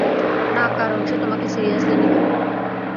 না, কারণ সে তোমাকে সিরিয়াসলি নিবে না।